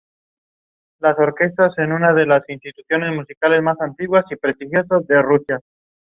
The juveniles inhabit shallower waters than the adults.